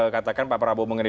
katakan pak prabowo mengenai